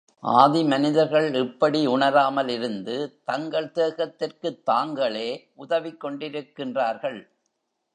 ஆதி மனிதர்கள் இப்படி உணராமல் இருந்து தங்கள் தேகத்திற்குத் தாங்களே உதவிக்கொண்டிருக்கின்றார்கள்.